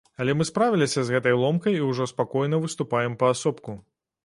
Але мы справіліся з гэтай ломкай і ўжо спакойна выступаем паасобку.